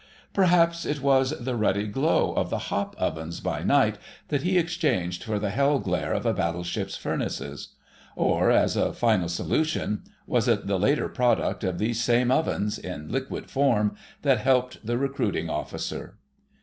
Perhaps it was the ruddy glow of the hop ovens by night that he exchanged for the hell glare of a battleship's furnaces. Or, as a final solution, was it the later product of these same ovens, in liquid form, that helped the Recruiting Officer?